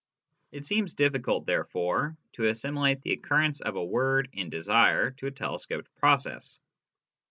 It seems difficult, therefore, to assimilate the occurrence of a word in desire to a telescoped process.